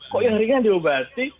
kok yang ringan diobati